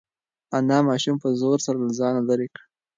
انا ماشوم په زور سره له ځانه لرې کړ.